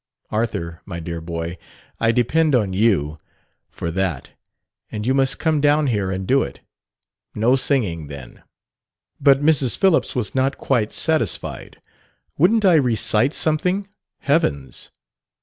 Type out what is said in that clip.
Arthur, my dear boy, I depend on you for that, and you must come down here and do it. No singing, then. But Mrs. Phillips was not quite satisfied. Wouldn't I recite something? Heavens!